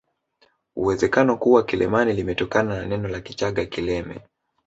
Uwezekano kuwa Kilemani limetokana na neno la Kichaga kileme